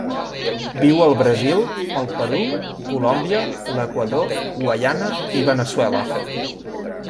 Viu al Brasil, el Perú, Colòmbia, l'Equador, Guaiana i Veneçuela.